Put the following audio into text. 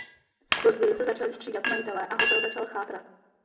Později se začali střídat majitelé a hotel začal chátrat.